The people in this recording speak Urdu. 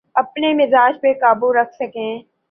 اپنے مزاج پہ قابو رکھ سکے۔